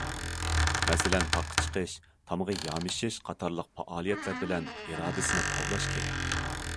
مەسىلەن، تاغقا چىقىش، تامغا يامىشىش قاتارلىق پائالىيەتلەر بىلەن ئىرادىسىنى تاۋلاش كېرەك.